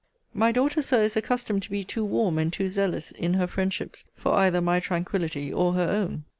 My daughter, Sir, is accustomed to be too warm and too zealous in her friendships for either my tranquility or her own.